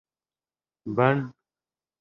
بڼ